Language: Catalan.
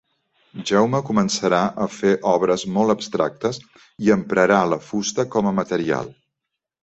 Jaume començarà a fer obres molt abstractes i emprarà la fusta com a material.